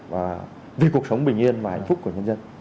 và vì cuộc sống bình yên và hạnh phúc của nhân dân